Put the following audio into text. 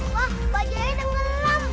jangan kalah kamu pasti menang